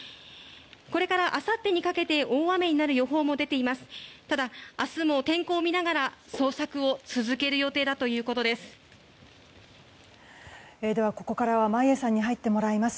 これから、あさってにかけて大雨になる予報も出ています。